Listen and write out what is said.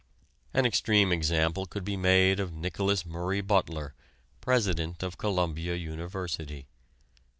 An extreme example could be made of Nicholas Murray Butler, President of Columbia University.